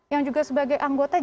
yang juga sebagai anggota